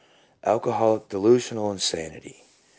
265 Alcoholic Delusional Insanity.